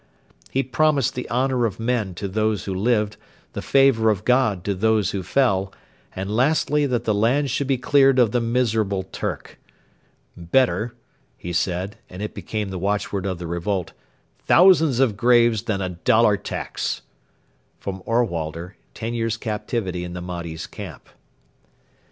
He promised the honour of men to those who lived, the favour of God to those who fell, and lastly that the land should be cleared of the miserable 'Turk.' 'Better,' he said, and it became the watchword of the revolt, 'thousands of graves than a dollar tax.' [Ohrwalder, TEN YEARS' CAPTIVITY IN THE MAHDI'S CAMP.